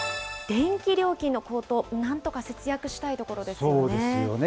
電気料金の高騰、なんとか節約したいところですよね。